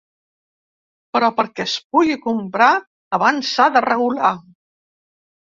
Però perquè es pugui comprar, abans s’ha de regular.